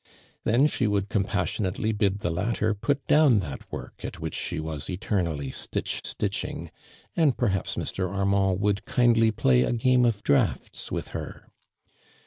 Then she would coni passionately bid the latter put down that work at which she was eternally stitch, stitching, and perhaps Mr. Armantl wotd(i kindly play a game of drafts with her.